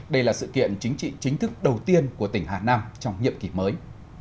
đây là sự kiện chính trị chính thức đầu tiên của tỉnh hà nam trong nhiệm kỳ mới